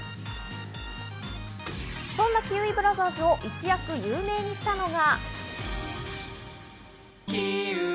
そんなキウイブラザーズを一躍有名にしたのが。